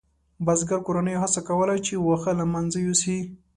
بزګرو کورنیو هڅه کوله چې واښه له منځه یوسي.